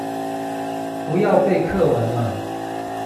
不要背課文了